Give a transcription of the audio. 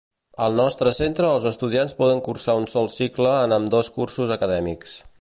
Al nostre centre els estudiants poden cursar un sol cicle en ambdós cursos acadèmics.